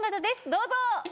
どうぞ。